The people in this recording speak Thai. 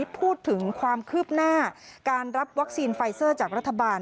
พูดถึงความคืบหน้าการรับวัคซีนไฟเซอร์จากรัฐบาล